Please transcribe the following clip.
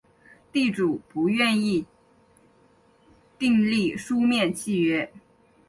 地主不愿意订立书面契约